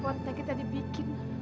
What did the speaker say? itu repotnya kita dibikin